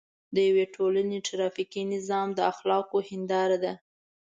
د یوې ټولنې ټرافیکي نظام د اخلاقو هنداره ده.